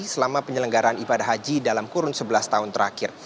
selama penyelenggaraan ibadah haji dalam kurun sebelas tahun terakhir